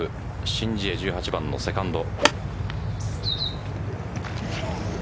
申ジエ、１８番のセカンド。